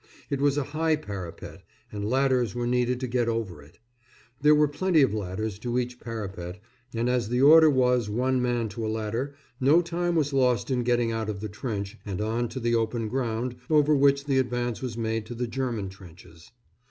It was a high parapet, and ladders were needed to get over it. There were plenty of ladders to each parapet, and as the order was one man to a ladder, no time was lost in getting out of the trench and on to the open ground over which the advance was made to the German trenches.